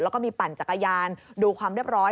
แล้วก็มีปั่นจักรยานดูความเรียบร้อย